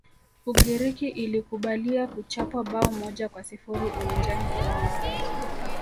ugiriki ilikubalia kuchapwa bao moja kwa sifuri uwanjani kwao